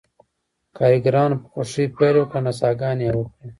کارګرانو په خوښۍ پیل وکړ او نڅاګانې یې وکړې